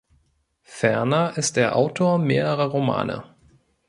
Ferner ist er Autor mehrerer Romane.